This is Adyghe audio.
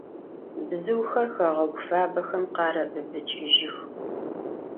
Bzıuxer xeğegu fabexem kharebıbıç'ıjıx.